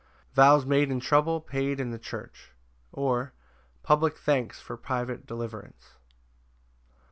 Vows made in trouble paid in the church; or, Public thanks for private deliverance.